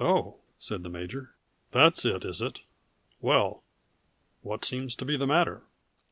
"Oh!" said the major. "That's it, is it? Well what seems to be the matter?"